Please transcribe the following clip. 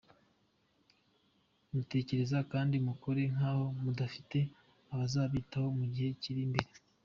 Mutekereze kandi mukore nk’aho mudafite abazabitaho mu gihe kiri imbere.